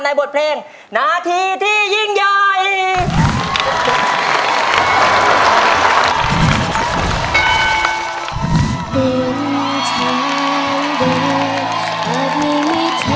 บทเพลงนาทีที่ยิ่งใหญ่